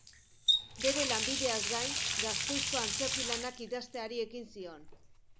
Bere lanbideaz gain gaskoizko antzerki lanak idazteari ekin zion.